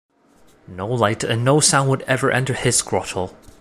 No light and no sound would ever enter his grotto.